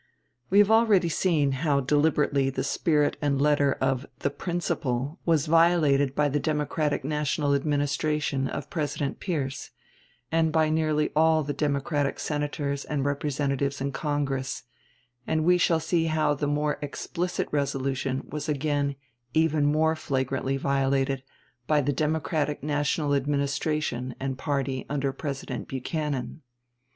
We have already seen how deliberately the spirit and letter of "the principle" was violated by the Democratic National Administration of President Pierce, and by nearly all the Democratic Senators and Representatives in Congress; and we shall see how the more explicit resolution was again even more flagrantly violated by the Democratic National Administration and party under President Buchanan.